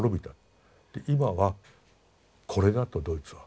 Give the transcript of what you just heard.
今はこれだとドイツは。